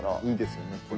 いいですよね